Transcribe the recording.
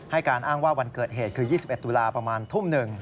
การอ้างว่าวันเกิดเหตุคือ๒๑ตุลาประมาณทุ่ม๑